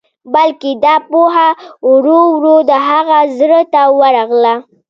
بلکې دا پوهه ورو ورو د هغه زړه ته ورغله.